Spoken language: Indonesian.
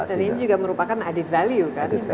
dan ini juga merupakan added value